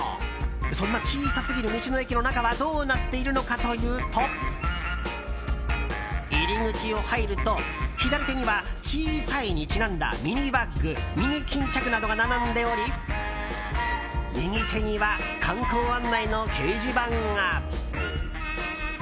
そんな小さすぎる道の駅の中はどうなっているのかというと入り口を入ると左手には小さいにちなんだミニバッグ、ミニ巾着などが並んでおり右手には観光案内の掲示板が。